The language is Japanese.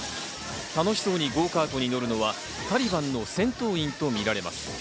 楽しそうにゴーカートに乗るのはタリバンの戦闘員とみられます。